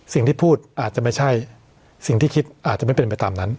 สิ่งที่พูดอาจจะไม่ใช่สิ่งที่คิดอาจจะไม่เป็นไปตามนั้น